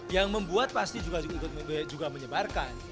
yang membuat pasti juga menyebarkan